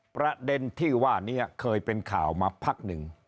ประเด็นที่ว่านี้เคยเป็นข่าวมาพักหนึ่ง